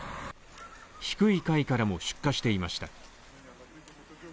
低い階からも出火していました。